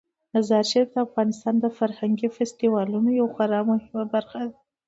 مزارشریف د افغانستان د فرهنګي فستیوالونو یوه خورا مهمه برخه ده.